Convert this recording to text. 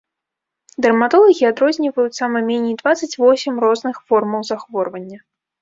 Дэрматолагі адрозніваюць, сама меней, дваццаць восем розных формаў захворвання.